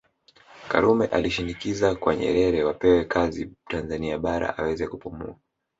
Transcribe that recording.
Karume alishinikiza kwa Nyerere wapewe kazi Tanzania Bara aweze kupumua